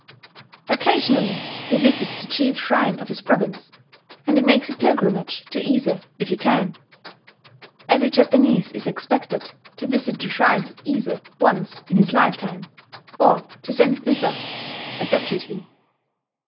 Occasionally he visits the chief shrine of his province; and he makes a pilgrimage to Ise if he can. Every Japanese is expected to visit the shrines of Ise once in his lifetime, or to send thither a deputy.